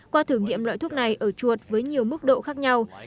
qua thử nghiệm loại thuốc này ở chuột với nhiều mức độ khác nhau